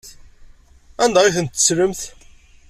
Anda ay tent-tettlemt?